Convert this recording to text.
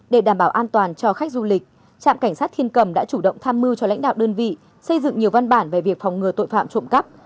để đảm bảo an toàn cho khách du lịch trạm cảnh sát thiên cầm đã chủ động tham mưu cho lãnh đạo đơn vị xây dựng nhiều văn bản về việc phòng ngừa tội phạm trộm cắp